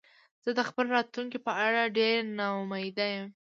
زه د خپل راتلونکې په اړه ډېره نا امیده یم